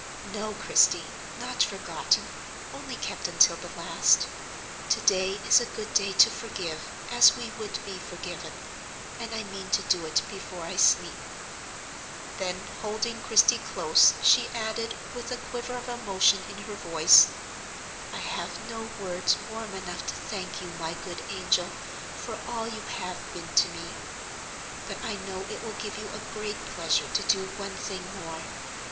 "No, Christie, not forgotten, only kept until the last. To day is a good day to forgive, as we would be forgiven, and I mean to do it before I sleep," Then holding Christie close, she added, with a quiver of emotion in her voice: "I have no words warm enough to thank you, my good angel, for all you have been to me, but I know it will give you a great pleasure to do one thing more.